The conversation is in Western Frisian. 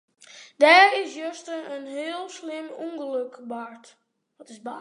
Der is juster in heel slim ûngelok bard.